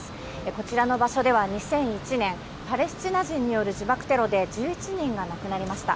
こちらの場所では２００１年、パレスチナ人による自爆テロで、１１人が亡くなりました。